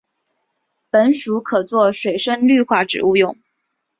本属可做水生绿化植物用。